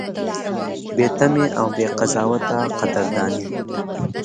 بې تمې او بې قضاوته قدرداني: